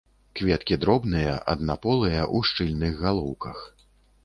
Кветкі дробныя, аднаполыя, у шчыльных галоўках.